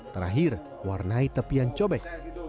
terakhir warnai tepian cobek